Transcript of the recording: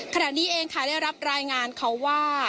ขณะนี้เองค่ะได้รับรายงานเขาว่า